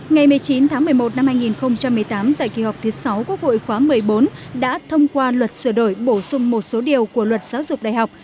ngày một mươi chín tháng một mươi một năm hai nghìn một mươi tám tại kỳ họp thứ sáu quốc hội khóa một mươi bốn đã thông qua luật sửa đổi bổ sung một số điều của luật giáo dục đại học